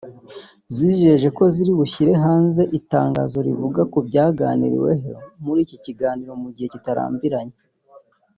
zizeje ko ziri bushyire hanze itangazo rivuga ku byaganiriweho muri iki kiganiro mu gihe kitarambiranye